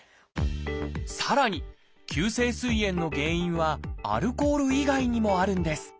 さらに急性すい炎の原因はアルコール以外にもあるんです。